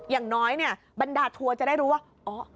อย่างน้อยเนี่ยบรรดาทัวร์จะได้รู้ว่า